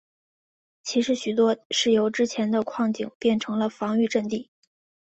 其中许多是由之前的矿井变成了防御阵地。